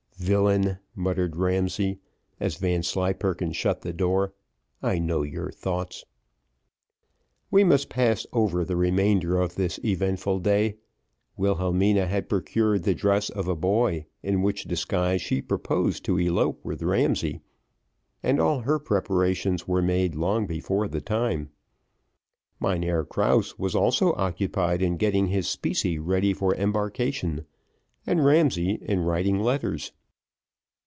"Villain," muttered Ramsay, as Vanslyperken shut the door, "I know your thoughts." We must pass over the remainder of this eventful day. Wilhelmina had procured the dress of a boy, in which disguise she proposed to elope with Ramsay, and all her preparations were made long before the time. Mynheer Krause was also occupied in getting his specie ready for embarkation, and Ramsay in writing letters.